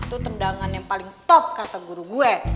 itu tendangan yang paling top kata guru gue